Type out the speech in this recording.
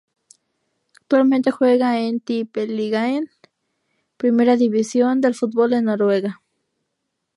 Actualmente juega en la Tippeligaen, primera división del fútbol en Noruega.